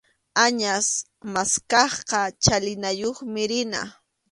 Añas maskaqqa chalinayuqmi rina.